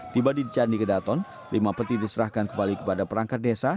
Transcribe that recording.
tiba di candi kedaton lima peti diserahkan kembali kepada perangkat desa